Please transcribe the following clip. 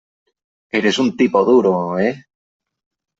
Eres un tipo duro ,¿ eh ?